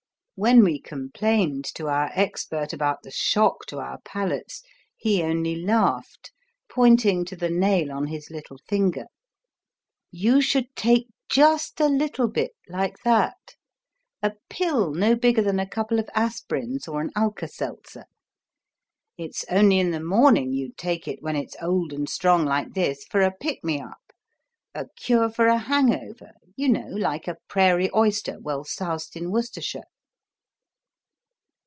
When we complained to our expert about the shock to our palates, he only laughed, pointing to the nail on his little finger. "You should take just a little bit, like that. A pill no bigger than a couple of aspirins or an Alka Seltzer. It's only in the morning you take it when it's old and strong like this, for a pick me up, a cure for a hangover, you know, like a prairie oyster well soused in Worcestershire."